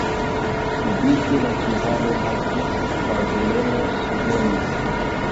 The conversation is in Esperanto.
Subite la ĉevalo haltis, kaj Heleno svenis.